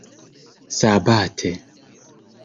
sabate